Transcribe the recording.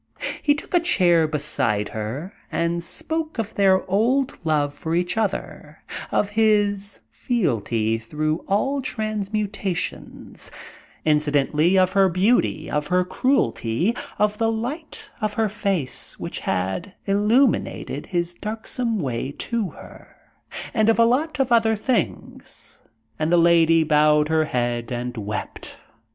He took a chair beside her, and spoke of their old love for each other, of his fealty through all transmutations; incidentally of her beauty, of her cruelty, of the light of her face which had illumined his darksome way to her and of a lot of other things and the Lady bowed her head, and wept.